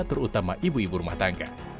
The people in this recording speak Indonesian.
terutama ibu ibu rumah tangga